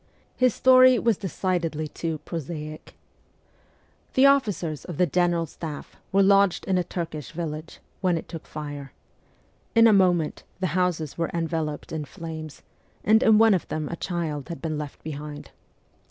His story was decidedly too prosaic. CHILDHOOD 13 The officers of the general staff were lodged in a Turkish village, when it took fire. In a moment the houses were enveloped in flames, and in one of them a child had been left behind.